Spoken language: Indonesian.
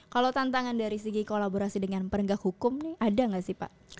kalau tantangan dari segi kolaborasi dengan perenggak hukum ada gak sih pak